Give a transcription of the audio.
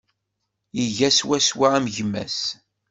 Iga swaswa am gma-s.